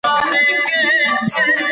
ځکه چې تاسو وړتیا لرئ.